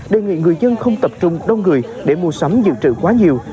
đề nghị người dân không tập trung đông người để mua sắm dự trữ quá nhiều